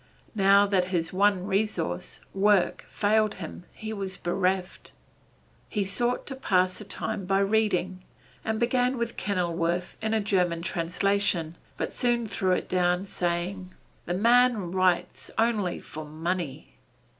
Now that his one resource, work, failed him, he was bereft. He sought to pass the time by reading, and began with Kenilworth in a German translation, but soon threw it down saying: "The man writes only for money."